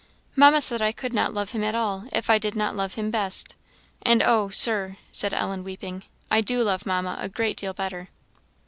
"Mamma said I could not love him at all, if I did not love him best; and, oh! Sir," said Ellen, weeping, "I do love Mamma a great deal better."